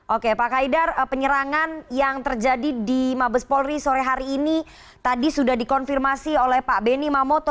oke pak kaidar penyerangan yang terjadi di mabes polri sore hari ini tadi sudah dikonfirmasi oleh pak benny mamoto